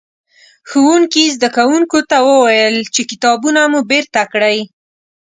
ښوونکي؛ زدکوونکو ته وويل چې کتابونه مو بېرته کړئ.